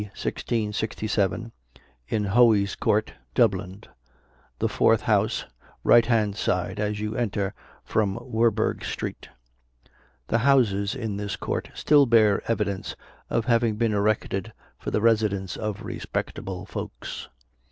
1667, in Hoey's Court, Dublin, the fourth house, right hand side, as you enter from Werburgh street. The houses in this court still bear evidence of having been erected for the residence of respectable folks.